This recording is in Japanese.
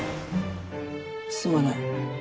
すまない。